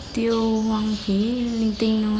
tiêu hoang phí linh tinh thôi